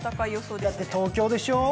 だって東京でしょう？